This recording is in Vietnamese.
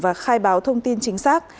và khai báo thông tin chính xác